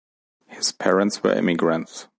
His parents were immigrants.